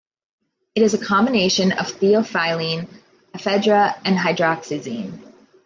It is a combination of theophylline, ephedra, and hydroxyzine.